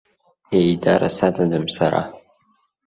Еидара саҵаӡам сара.